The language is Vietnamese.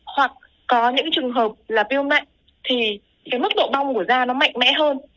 hoặc có những trường hợp là piu mạnh thì cái mức độ bong của da nó mạnh mẽ hơn